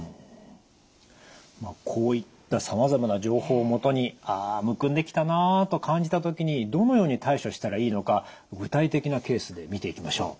こういったさまざまな情報を基にああむくんできたなあと感じた時にどのように対処したらいいのか具体的なケースで見ていきましょう。